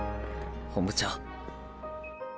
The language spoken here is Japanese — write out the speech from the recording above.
本部長。